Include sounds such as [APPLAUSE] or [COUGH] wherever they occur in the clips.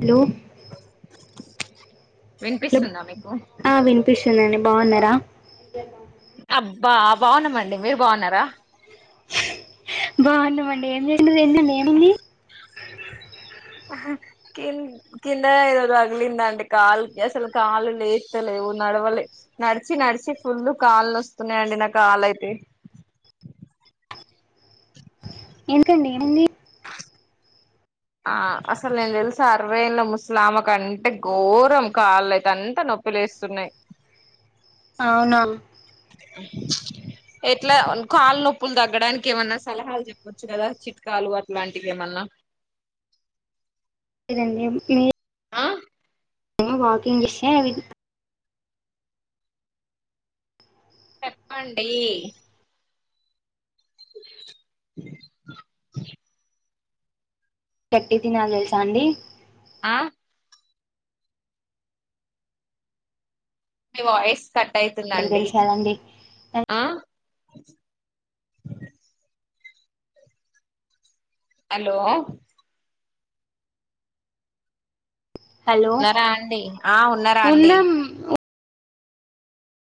Hello hello విన్పిస్తుందా మీకు ఆ విన్పిసుందండి బావున్నారా అబ్బా బావున్నామండి మీరు బావున్నారా బావున్నామండి ఏం జే కేన్ కింద ఇదో రగిలింది అండి కాల్ కి అసలు కాలు లేవత్తలేవు నడవాలే నడిచి నడిచి ఫుల్ కాళ్లు నోస్తున్నాయండి నా కాళ్లు అయితే ఎందుకండి ఏమైంది ఆ అసలు నేను తెలుసా అరవై ఎన్ల ముస్లామా కంటే ఘోరం కాళ్ళ అయితే అంతా నొప్ప ప్పులేస్తున్నాయి అవునా ఎట్లా వన్ కాళ్లు నొప్పులు తగ్గడానికి ఏమన్నా సలహాలు జెప్పు గదా చిట్కాలు అట్లాంటివి ఏమన్నా నన్నె మో మీర్ ఆ ఏమో వాకింగ్ చెస్తె అవి చెప్పండీ గట్టిగ్ తినాలి తెల్సా అండి ఆ మీ వాయిస్ కట్ వాటర్ అయితుందండి తెలుసా అండి ఆ హలో హలో ఉన్నారా అండి ఆ ఉన్నారా అండి ఉన్నాం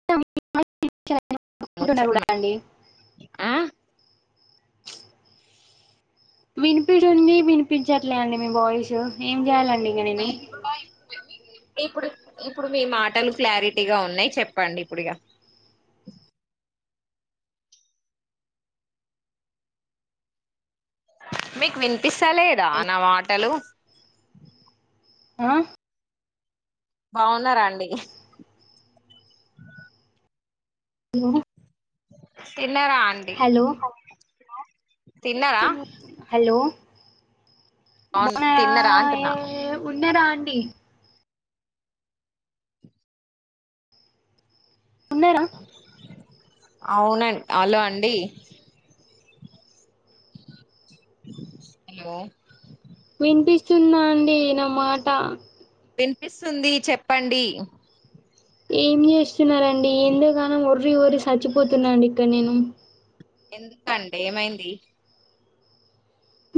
[UNINTELLIGIBLE] ముచ్చ గూడా అండీ ఆ వినిపించింది వినిపించట్లే అండి మీ వాయిస్ ఏం చేయాలండి ఇగ నేను మీది ఇప్పుడు మీ మాటలు క్లారిటీగా ఉన్నాయి చెప్పండి ఇప్పుడు ఇగ మీకు వినిపిస్తలేదా నా మాటలు ఆ బావున్నారా అండి మ్ తిన్నారా అం హలో తిన్నారా హలో అవును తిన్నరా అంటున్నా బావు ఉన్నారా అండి ఉన్నారా అవునండి అలో అండి హలో వినిపిస్తుందా అండి నా మాటా వినిపిస్తుంది చెప్పండి ఏం చేస్తున్నరండి ఎందోగానం ఒర్రి ఒర్రి సచ్చిపోతున్నా అండి ఇక్కడ నేను ఎందుకండి ఏమైంది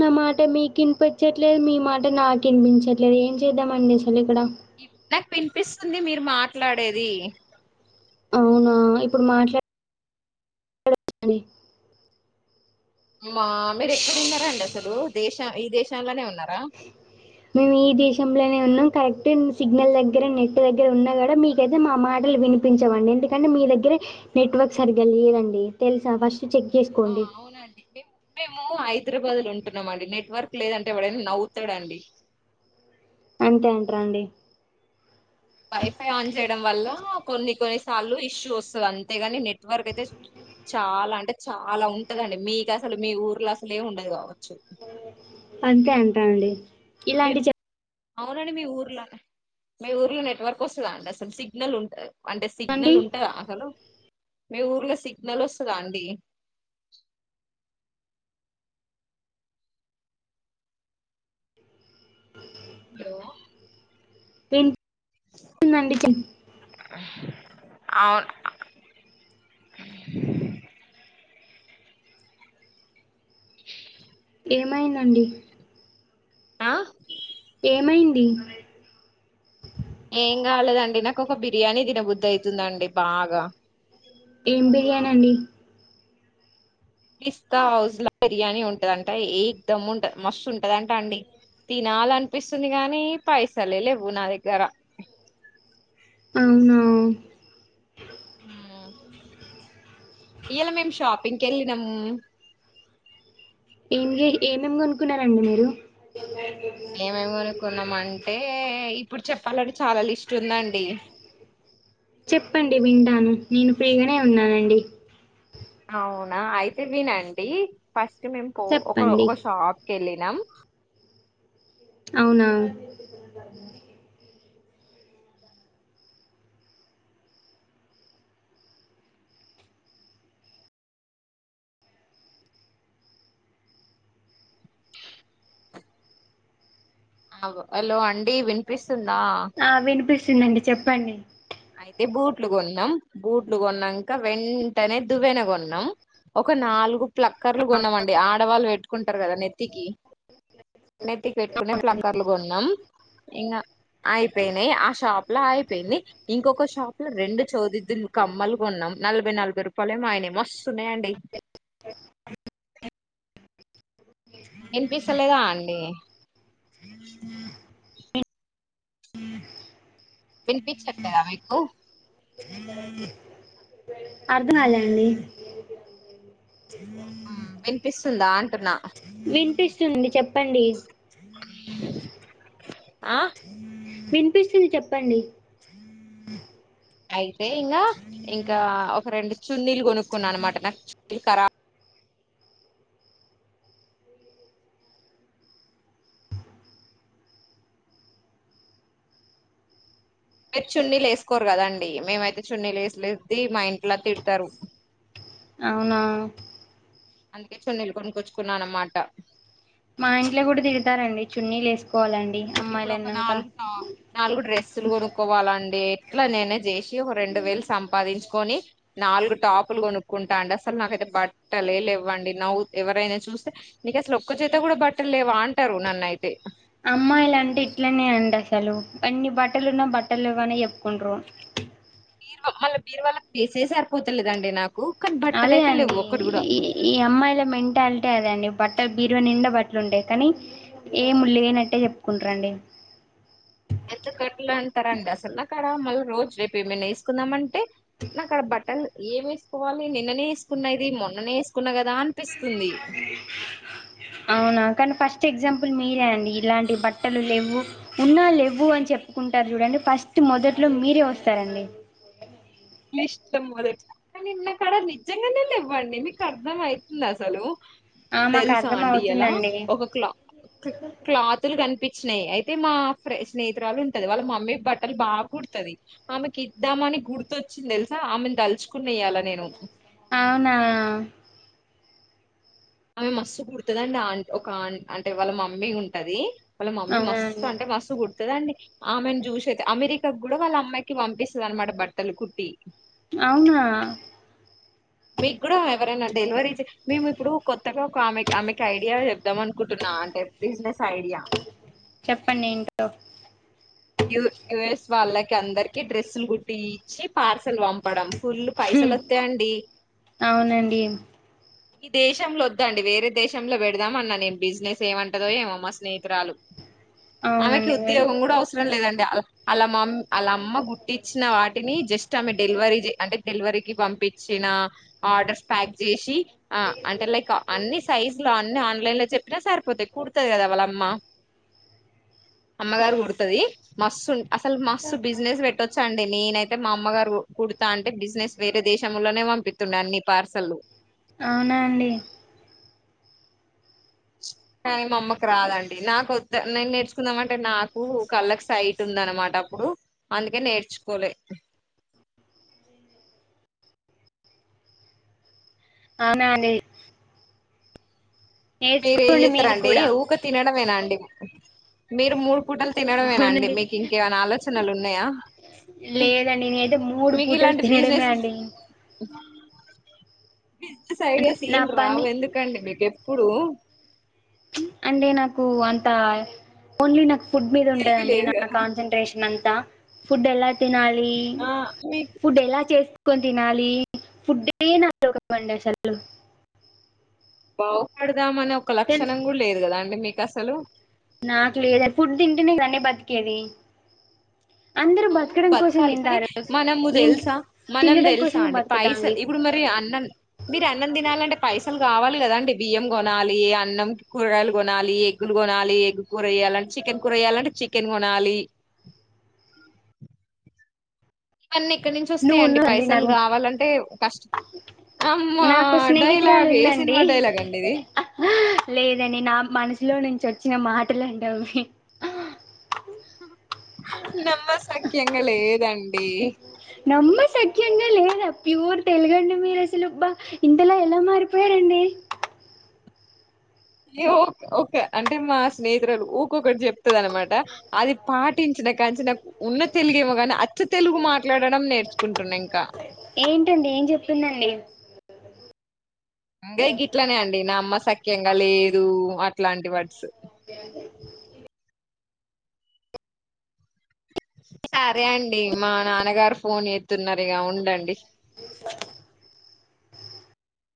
నా మాట మీకినిపించట్లేదు మీ మాట నాకినిపించట్లేదు ఏం చేద్దామండి అసలు ఇక్కడ నాకు వినిపిస్తుంది మీరు మాట్లాడేది అవునా ఇప్పుడు మాట్లాడ ండి మా మ్ మీరు ఎక్కడ ఉన్నారా అండి అసలు దేశ ఈ దేశాంలోనే ఉన్నారా మీ దేశంలోనే ఉన్నాం కరెక్ట్ సిగ్నల్ దగ్గర నెట్ దగ్గర ఉన్నా కూడా మీక అయితే మా మాటలు వినిపి పించవండి ఎందుకంటే మీ దగ్గరె నెట్వర్క్ సరిగ్గా లేదండి తెల్సా ఫస్ట్ చెక్ చేసుకో ఆ అవునండికే మేము హైదరాబాద్ లో ఉంటున్నామండి, నెట్వర్క్ లేదంటే ఎవడైనా నవ్వుతడండి. అంతే అంట్రండి. వైఫై ఆన్ జేయడం వల్ల కొన్ని కొన్ని సార్లు ఇష్యూ ఒస్తది అంతేగాని, నెట్వర్క్ అయితే చాలా అంటే చాలా ఉంటదండి, మీకసలు మీ ఊర్లో అసలే ఉండది కావచ్చు. అంతే అంటారండి. గివ్ అవునండి మీ ఊర్ల, మీ ఊర్లో నెట్వర్క్ ఒస్తద అండి అసలు, సిగ్నల్ ఉంట అంటే చెప్పండి సిగ్నల్ ఉంటందా అసలు, మీ ఊర్లో సిగ్నల్ ఒస్తదా అండి. లో విన్ [UNINTELLIGIBLE] దండి చెప్ అవున్ ఏమైందండి ఆ ఏమైంది ఏం గాలేదండి, నాకు ఒక బిర్యానీ తినబుద్ది అయితుందండి బాగా. ఏం బిర్యానండి. పిస్తా హౌస్ ల బిర్యానీ ఉంటదంట ఏక్ దమ్ ఉంటంద్, మస్తు ఉంటదంట అండి తినాలన్ పిస్తుంది గాని, పైసలే లెవ్వు నా దగ్గర్ అవునా ఉమ్మ్ ఇయ్యాలా మేము షాపింగ్ కెళ్ళినామ్ ఏం జే ఏమేం కొనుకున్నారండి మీరు ఏమేమ్ గొనుకున్నాం అంటే, ఇప్పుడు చెప్పాలంటే చాలా లిస్ట్ ఉందండి. చెప్పండి వింటాను, నేను ఫ్రీగానే ఉన్నానండి. అవునా అయితే వినండి, ఫస్ట్ మేము పో ఒక చెప్పండి ఒక షాప్ కేళ్ళినాం. అవునా అగో హలో అండి వినిపిస్తుందా. ఆ వినిపిస్తుందండి చెప్పండి. అయితే బూట్లు గొన్నాం, బూట్లు గొన్నంక వెంటనే దువ్వేన గొన్నాం. ఒక నాలుగు ప్లక్కర్లు కొన్నామండి ఆడవాళ్ళు పెట్టుకుంటారు కదా నెత్తికి. నెత్తి పెట్టుకునే ప్లకర్లు గొన్నాం. ఇంగా అయిపోయినాయి, ఆ షాప్ లో అయిపోయింది. ఇంకొక షాప్ లో రెండు చోవ్ దిద్దులు కమ్మలు కొన్నాం నలభై, నలభై రూపాయలే ఏమో అయినాయి, మస్తున్నాయండి. ఇన్పిస్తలేదాఅండి విన్పిచ్చట్లేదా మీకు. అర్ధంకాలే అండి ఆ వినిపిస్తుందా అంటున్నా వినిపిస్తుంది చెప్పండి ఆ వినిపిస్తుంది చెప్పండి అయితే ఇంగా, ఇంకా ఒక రెండు చున్నీలు కొనుక్కున్నా అన్నమాట నా చున్నీలు కరాబ్ మీరు చున్నీలు ఏసుకోరు కదండి, మేమైతే చున్నీలే లేస్ లేస్, ది మా ఇంట్లో తిడతారు. అవునా అందుకే చున్నీల్ గొనుకోచ్చుకున్న అనమాట మా ఇంట్లో గూడ దిడుతారండి చున్నీలేస్కోవాలండి ఇప్పుడు ఒక నాల్గు టా నాలుగు డ్రెస్సులు గొను కోవాలండి ఎట్ల నేనే జేసి ఒగ రెండు వేల్ సంపాదించ్కొని నాలుగు టాపులు గొనుక్కుంటా అండి అస్సల్ నాకైతే బట్టలే లేవ్వండి నవ్వు ఎవరైనా చూస్తే నీకసలు ఒక్క జత గుడ బట్టల్లేవా అంటారు నన్నైతే అమ్మాయిలంటే ఇట్లనే అండి అస్సలు ఎన్ని బట్టలున్నా బట్టల్లెవ్వు అనే ఎప్కుంట్రు బీర్వా మళ్ళ బీర్వాళ్ళొ ప్లేసే జరిపోతలేదండి నాకు కానీ బట్టలు అదే అయితే లేవు అండి ఒక్కటి కూడా ఈ ఈ అమ్మాయిల మెంటాల్టే అదండి బట్టల్ బీర్వా నిండా బట్లుంటాయ్ కనీ ఏమ్ము లేనట్టే జెప్పుకుంట్రండి ఎందుకట్ల అంటారండి అసల్ నాక్కాడ మళ్ళ రోజ్ రేపెమన్న ఏస్కుందామంటే నాకాడ బట్టల్ ఏమేస్కోవాలి నిన్ననే ఏస్కున్న ఇది మొన్ననే ఏస్కున్న గదా అన్పిస్తుంది అవునా కానీ ఫస్ట్ ఎగ్జాంపుల్ మీరే అండి ఇలాంటి బట్టలు లెవ్వు ఉన్నా లెవ్వు అన్ చెప్పుకుంటార్ జూడండి ఫస్టు మొదట్లో మీరే ఒస్తారండి మీస్టం అదెట్ల కానీ నక్కాడ నిజ్జంగానే లేవ్వండి మీకర్ధమైతుంద అసలు ఆ మాకు తెల్సా అర్థం అండి ఎలా అవుతుందండి ఒక క్లా క్లాతులు గన్పిచ్చినాయ్ అయితే మా ఫ్రె స్నేహితురాలుంటది వాళ్ళ మమ్మీ బట్టలు బాగ్ గుడ్తది ఆమెకిద్దామని గుర్తోచ్చింద్ దెల్సా ఆమెను దల్చుకున్న ఇయ్యాల నేను అవునా ఆమె మస్తు గడ్తుందండి ఆంట్ ఒక ఆన్ అంటే వాళ్ళ మమ్మీ ఉంటదీ వాళ్ళ మమ్మీ అవునా అండి మస్తంటే మస్తు గుడు దండి ఆమెను జూషైతే అమెరికాగ్గుడ వాళ్ళ అమ్మాయికి వంపిస్తది అనమాట బట్టలు కుట్టి అవ్నా మీ గ్గుడా ఎవరైనా డెల్వరీ చే మేము ఇప్పుడు కొత్తగా ఒక ఆమె ఆమెకి ఐడియా జెబ్దాము అనుకుంటున్నా అంటే బిజినెస్ ఐడియా చెప్పండేంటో యు యుఎస్ వాళ్ళకి అందర్కి డ్రెస్సులు గుట్టీ చ్చి పార్సల్ వంపడం ఫుల్లు పైసలొత్తైయండి అవునండిమ్ ఈ దేశంలో ఒద్దండి వేరే దేశంలో వెడ్దామన్నా నేను బిజినెస్ ఏమంటదో ఏమో మా స్నేయితురాలు ఆమెకి అవునండి మీరు ఉద్యోగం గూడ అవసరం లేదండి అ అలా మామ్ అలమ్మ గుట్టిచ్చిన వాటిని జస్ట్ ఆమె డెల్వరీ జె అంటే డెల్వరీకిి బంపిచ్చిన ఆర్డర్స్ ప్యాక్ జేసి ఆ అంటే లైక అన్ని సైజ్లొ అన్ని ఆన్ లైన్లో చెప్ రా సర్పోతాయ్ కుడ్తది గదా వాళ్ళ అమ్మ అమ్మగారు గుడ్తది మస్సున్ అస్సల్ మస్తు బిజినెస్ వెట్టొచ్చండి నేనైతే మా అమ్మగారు కుడుతాంటే బిజినెస్ వేరే దేశములోనే వంపిత్తుండే అన్ని పార్సల్లు అవునా అండి కాన్ మా అమ్మకి రాదండి నాకొత్త నేన్ నేర్చుకుందాం అంటే నాకు కళ్ళకి సై ఉంటుంద్ అనమాట అప్పుడు అందుకే నేర్చుకోలే అవునా అండి మీరేం నేర్చుకోండి జేత్తర మీరు అండి కూడా ఊకే తినడం మేనా అండి మీరు మూడు పూటలు తినడమేనా అండి అవునండి మీకింకేమైనా ఆలోచనలు ఉన్నాయా లేద అండి నేనై అయితే మూడు మీకు పూటలు ఇలాంటి తినడమే బిజినెస్ అండి బిజినెస్ ఐడియాస్ నా ఏం పని రావెందుకఅండి మీకు ఎప్పుడు. అంటే నాకూ అంతా ఓన్లీ నాకు ఫుడ్ మీదుంటద తెలివి అండి లేదు నాక్ కదా కాన్సన్ట్రేషన్ అంతా ఫుడ్ ఎలా తినాలి లీ ఆ మీకు ఫుడ్ ఎలా చేస్ కొన్ తినాలి ఫుడ్ ఏ నాతో ఒక [INAUDIBLE] బాగుపడ్ దామ అని ఒక తెలుసు లక్షణం కూడా లేదు కదా అండి మీక్ అసలు నాకు లేదన్ ఫుడ్ తింటేనే గదఅండి బతికేది అందరూ అవును బతకడం కోసం బతకాలి కనీ తింటారు మనము దేల్ నేను సా మనం తినడం తెలుసా కోసమే అండి బతుకుతా అండి పైసల్ ఇప్పుడు మరి అన్నల్ మీరు అన్నం తినాల అంటే పైసల్ కావాలి గదా అండి బియ్యం కొనాలి అన్నం కూరగాయలు కొనాలి గ్గులు కొనాలి ఎగ్గ్ కూర వేయ్యాల అంటే చికెన్ కూర వేయాలంటే చికెన్ కొనాలి అన్ని ఎక్కడి నుంచి నువ్వు వస్తాయ అండి ఉన్నావండి పైసలు నాకు గావాల అంటే కష్టం అమ్మ నాకు డైలాగ్ ఏ సినిమా డైలాగ్ అండి ఇది హ లేద అండి నా మనసులో నుంచి వచ్చిన మాటలు అండి అవి హా నమ్మ సఖ్యంగా లేద అండి నమ్మ సఖ్యంగా లేదా ప్యూర్ తెల్గఅండి మీరు అసలు అబ్బా ఇంతలో ఎలా మారిపోయార అండి ఏ ఏ ఓక అంటే మా స్నేహితురాలు ఊక్కొ ఒక్కటి చెప్త అది అన్ మాట అది పాటించిన కాడ్ నుంచి నాకు ఉన్న తెలుగే ఏమో గాని అచ్చు తెలుగు మాట్లాడడం నేర్చుకు ఉంటున్నా ఇంకా ఏంట అండి ఏమ్ చెప్తున్నార్అండి దేగ్ గిట్లనే అండి నా నమ్మ సఖ్యంగా లేదు అట్లా అంటి వడ్స్ [UNINTELLIGIBLE] సరే అండి మా నాన్నగారు ఫోన్ చేత్తు ఉన్నారు ఇగ ఉండ అండి